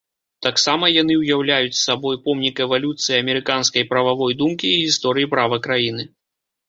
Таксама яны ўяўляюць сабой помнік эвалюцыі амерыканскай прававой думкі і гісторыі права краіны.